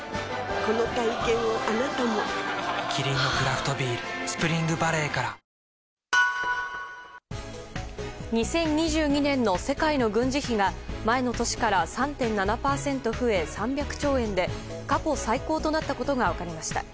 この体験をあなたもキリンのクラフトビール「スプリングバレー」から２０２２年の世界の軍事費が前の年から３．７％増え３００兆円で過去最高となったことが分かりました。